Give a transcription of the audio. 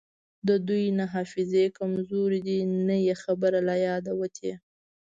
د دوی نه حافظې کمزورې دي نه یی خبره له یاده وتې